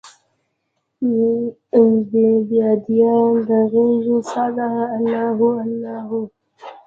دبیدیا د غیږوسعته الله هو، الله هو